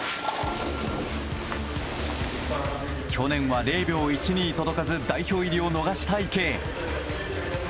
去年は０秒１２届かず代表入りを逃した池江。